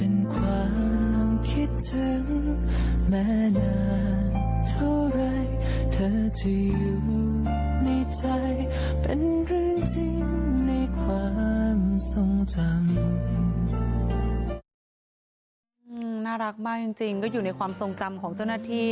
น่ารักมากจริงก็อยู่ในความทรงจำของเจ้าหน้าที่